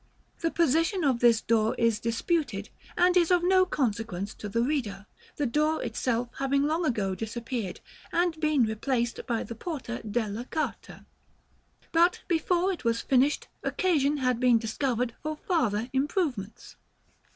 The position of this door is disputed, and is of no consequence to the reader, the door itself having long ago disappeared, and been replaced by the Porta della Carta. § XVIII. But before it was finished, occasion had been discovered for farther improvements.